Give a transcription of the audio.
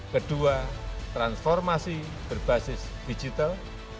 kedua transformasi berbasis digital